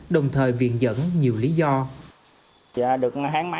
đồng thời viện dẫn nhiều lý do